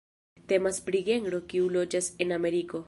Temas pri genro kiu loĝas en Ameriko.